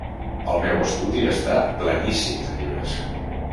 El meu estudi està pleníssim de llibres.